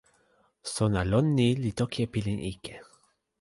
sona lon ni li toki e pilin ike.